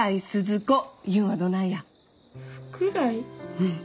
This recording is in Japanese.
うん。